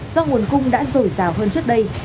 do nguồn cung đã rổi rào hơn trước đây